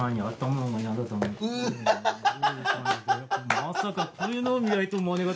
まさかこういうのを見られるとは。